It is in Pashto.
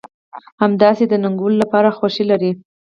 همداسې د ننګولو لپاره خوښه لرئ.